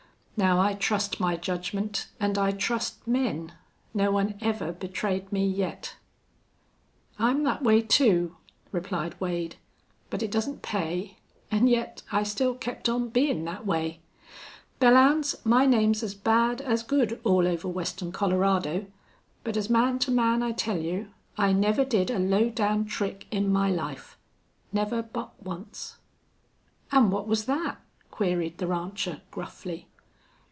Now I trust my judgment an' I trust men. No one ever betrayed me yet." "I'm that way, too," replied Wade. "But it doesn't pay, an' yet I still kept on bein' that way.... Belllounds, my name's as bad as good all over western Colorado. But as man to man I tell you I never did a low down trick in my life.... Never but once." "An' what was thet?" queried the rancher, gruffly.